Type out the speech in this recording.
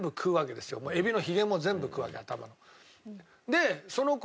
エビのヒゲも全部食うわけ頭も。